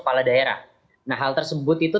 kepala daerah nah hal tersebut itu